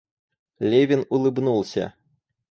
Левин улыбнулся.